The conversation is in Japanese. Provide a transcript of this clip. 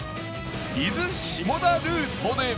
伊豆下田ルートで